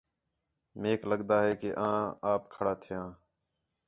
میک لڳدا ہِے کہ آں آپ کھڑا تِھیاں